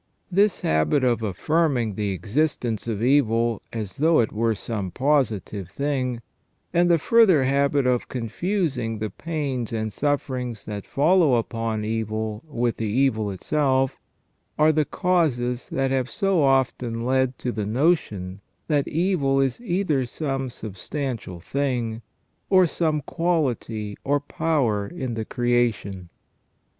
This habit of affirming the existence of evil as though it were some positive thing, and the further habit of confusing the pains and sufferings that follow upon evil with the evil itself, are the causes that have so often led to the notion that evil is either some substantial thing, or some quality or power in the creation.